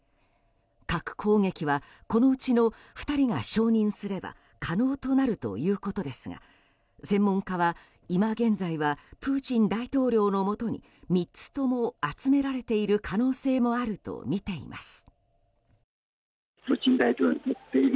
核攻撃はこのうちの２人が承認すれば可能となるということですが専門家は今現在はプーチン大統領のもとに３つとも集められている可能性もあるとみています。